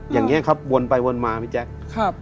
อย่างนี้ครับวนไปวนมาพี่แจ๊ค